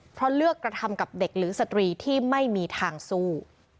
เพราะเลือกกระทำกับเด็กหรือสตรีที่ไม่มีทางสู้